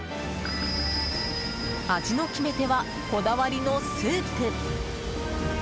味の決め手はこだわりのスープ。